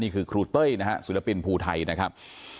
ครูเต้ยนะฮะศิลปินภูไทยนะครับ